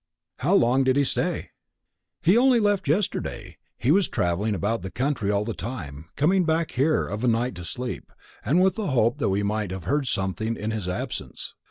"How long did he stay?" "He only left yesterday. He was travelling about the country all the time, coming back here of a night to sleep, and with the hope that we might have heard something in his absence.